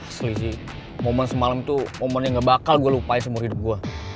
asli sih momen semalam itu momen yang gak bakal gue lupain seumur hidup gue